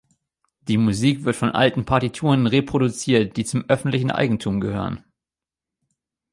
Die Musik wird von alten Partituren reproduziert, die zum öffentlichen Eigentum gehören.